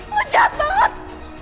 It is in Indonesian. lo jahat banget